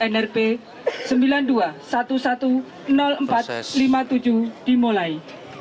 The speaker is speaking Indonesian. persempatan terakhir dimulai